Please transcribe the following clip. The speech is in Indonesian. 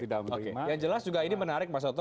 tidak menerima yang jelas juga ini menarik mas oto